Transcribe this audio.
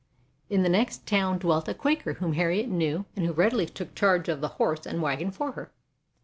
In the next town dwelt a Quaker whom Harriet knew and who readily took charge of the horse and wagon for her.